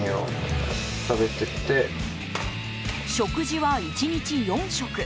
食事は１日４食。